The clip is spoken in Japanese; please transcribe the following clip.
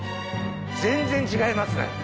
全然違いますね。